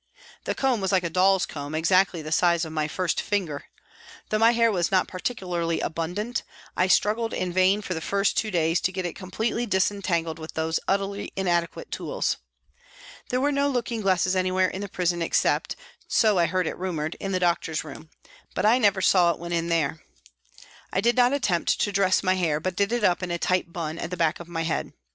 The comb was like a doll's comb, exactly the size of my first finger. Though my hair was not par ticularly abundant, I struggled in vain for the first two days to get it completely disentangled with these utterly inadequate tools. There were no looking glasses anywhere in the prison except, so I heard it rumoured, in the doctor's room, but I never saw it when there. I did not attempt to dress my hair, but did it up in a tight " bun " at the back of my head.